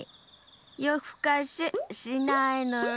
よふかししないのよ！